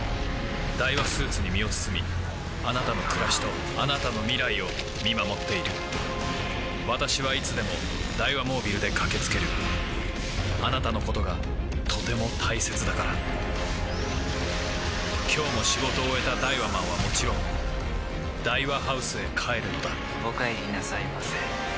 ダイワスーツに身を包みあなたの暮らしとあなたの未来を見守っている私はいつでもダイワモービルで駆け付けるあなたのことがとても大切だから今日も仕事を終えたダイワマンはもちろんダイワハウスへ帰るのだお帰りなさいませ。